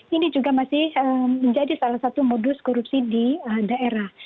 ini juga masih menjadi salah satu modus korupsi di daerah